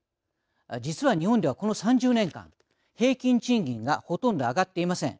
実は日本では、この３０年間平均賃金がほとんど上がっていません。